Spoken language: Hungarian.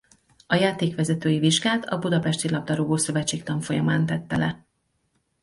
A játékvezetői vizsgát a Budapesti Labdarúgó-szövetség tanfolyamán tette le.